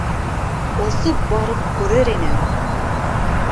Осоп барып күрер инем